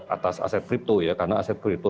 atas aset kripto ya karena aset kripto